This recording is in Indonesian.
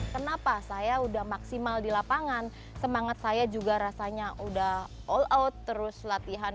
kenapa saya udah maksimal di lapangan semangat saya juga rasanya udah all out terus latihan